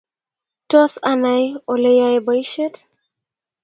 Tos anai oleyae boishiet?